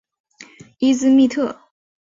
伊兹密特。